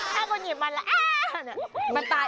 ถ้าคุณหยิบมันแล้วมันตาย